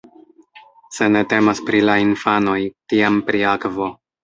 Se ne temas pri la infanoj, tiam pri akvo.